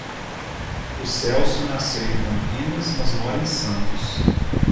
O Celso nasceu em Campinas, mas mora em Santos.